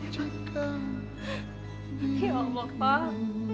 ya allah pak